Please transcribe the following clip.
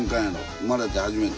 生まれて初めて。